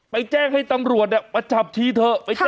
แจ้งให้ตำรวจมาจับทีเถอะ